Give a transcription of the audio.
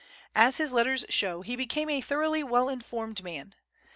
As his letters show, he became a thoroughly well informed man.